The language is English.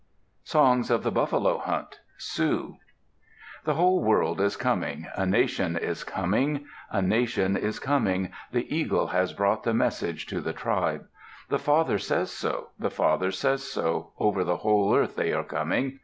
SONGS OF THE BUFFALO HUNT Sioux The whole world is coming, A nation is coming, a nation is coming, The Eagle has brought the message to the tribe. The father says so, the father says so, Over the whole earth they are coming.